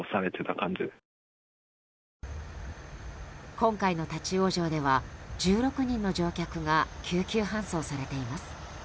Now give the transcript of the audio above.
今回の立ち往生では１６人の乗客が救急搬送されています。